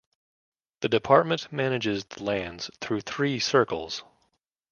The department manages the lands through three circles.